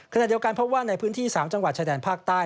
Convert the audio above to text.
ขณะเดียวกันพบว่าในพื้นที่๓จังหวัดชายแดนภาคใต้